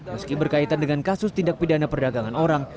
meski berkaitan dengan kasus tindak pidana perdagangan orang